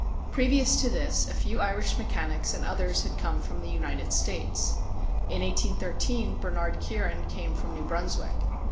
Previous to this a few Irish mechanics and others had come from the United States. In 1813 Bernard Kiernan came from New Brunswick.